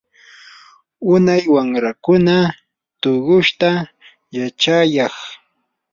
unay wamrakuna tushuyta yachayaq.